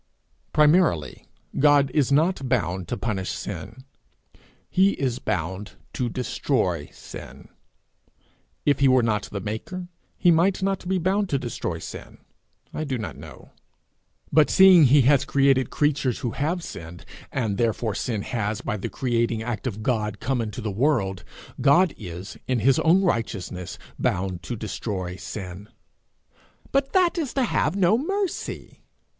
Primarily, God is not bound to punish sin; he is bound to destroy sin. If he were not the Maker, he might not be bound to destroy sin I do not know; but seeing he has created creatures who have sinned, and therefore sin has, by the creating act of God, come into the world, God is, in his own righteousness, bound to destroy sin. 'But that is to have no mercy.'